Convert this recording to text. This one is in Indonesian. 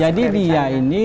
jadi dia ini